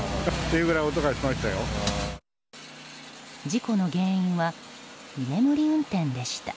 事故の原因は居眠り運転でした。